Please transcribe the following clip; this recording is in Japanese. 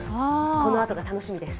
このあとが楽しみです。